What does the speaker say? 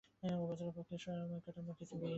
ও বেচারার পক্ষে সময় কাটাইবার কিছুই নাই।